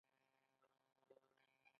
دشت کویر او دشت لوت مشهورې دي.